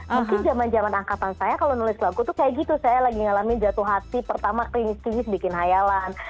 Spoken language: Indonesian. mungkin zaman zaman angkatan saya kalau nulis lagu tuh kayak gitu saya lagi ngalami jatuh hati pertama klinis kritis bikin hayalan